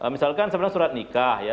misalkan sebenarnya surat nikah ya